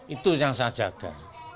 itu yang saya jaga